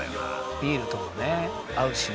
ビールともね合うしね